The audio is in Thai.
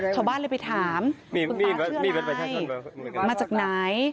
ชาวบ้านเลยไปถามคุณตาเชื่อไงมาจากไหน